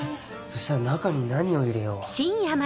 そしたら中に何を入れよう？